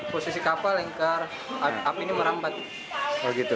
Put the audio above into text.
posisi kapal lingkar api ini merambat